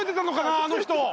あの人。